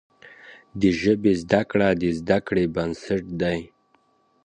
د ژبي زده کړه د زده کړې بنسټ دی.